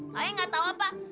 kalian gak tau apa